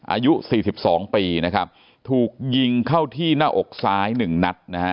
อายุ๔๒ปีนะครับถูกยิงเข้าที่หน้าอกซ้าย๑นัดนะฮะ